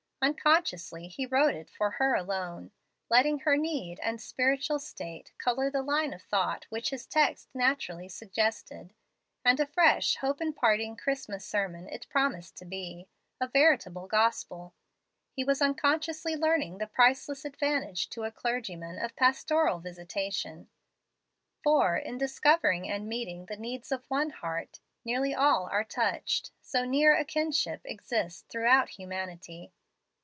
Unconsciously, he wrote it for her alone, letting her need and spiritual state color the line of thought which his text naturally suggested; and a fresh, hope imparting Christmas sermon it promised to be, a veritable gospel. He was unconsciously learning the priceless advantage to a clergyman of pastoral visitation; for, in discovering and meeting the needs of one heart, nearly all are touched, so near a kinship exists throughout humanity.